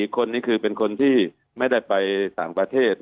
คนนี้คือเป็นคนที่ไม่ได้ไปต่างประเทศ